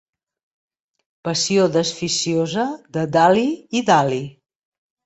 Passió desficiosa de da-li i da-li.